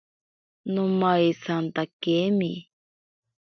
Nomaisatakemi.